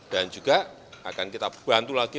dan juga akan kita bantu lagi